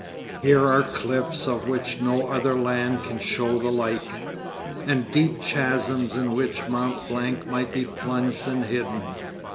Here are cliffs of which no other land can show the like, and deep chasms in which Mt. Blanc might be plunged and hidden.